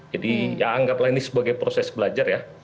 jadi ya anggaplah ini sebagai proses belajar ya